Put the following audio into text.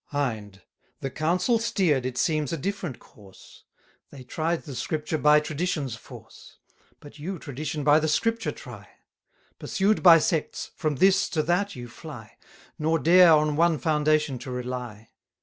180 Hind: The Council steer'd, it seems, a different course; They tried the Scripture by Tradition's force: But you Tradition by the Scripture try; Pursued by sects, from this to that you fly, Nor dare on one foundation to rely.